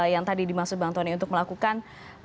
yang tadi dimaksud bang tony untuk melakukan